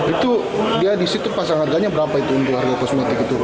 itu dia di situ pasang harganya berapa itu untuk harga kosmetik itu